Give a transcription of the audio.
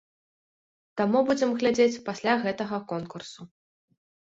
Таму будзем глядзець пасля гэтага конкурсу.